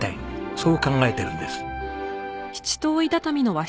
そう考えてるんです。